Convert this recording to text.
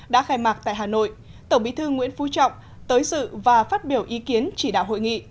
đã khai mạc tại hà nội tổng bí thư nguyễn phú trọng tới sự và phát biểu ý kiến chỉ đạo hội nghị